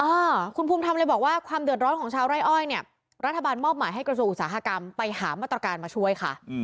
อ่าคุณภูมิธรรมเลยบอกว่าความเดือดร้อนของชาวไร่อ้อยเนี่ยรัฐบาลมอบหมายให้กระทรวงอุตสาหกรรมไปหามาตรการมาช่วยค่ะ